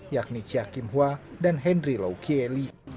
yakni chia kim hua dan henry lau kie lee